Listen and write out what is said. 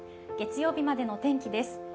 月曜日までの天気です。